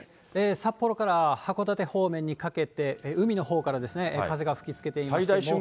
札幌から函館方面にかけて、海のほうから風が吹きつけていますけれども。